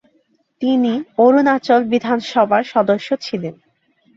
তিনি অরুণাচল বিধানসভার সদস্য ছিলেন।